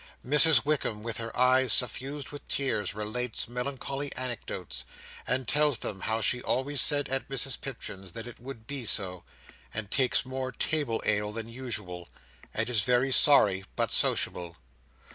Mrs Wickam, with her eyes suffused with tears, relates melancholy anecdotes; and tells them how she always said at Mrs Pipchin's that it would be so, and takes more table ale than usual, and is very sorry but sociable.